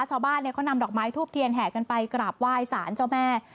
ชาวบ้านเนี่ยเขานำดอกไม้ทูพเทียนแหกกันไปกราบไหว้สาวสุงธิบายสานเจ้าแม่